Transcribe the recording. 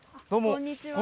こんにちは。